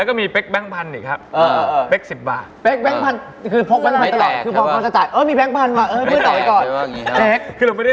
โอ้โหโทนแล้วเหรอ